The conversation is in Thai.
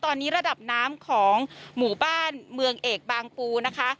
ตอนนี้ระดับน้ำของหมู่บ้านเมืองเอกบางปูนะคะ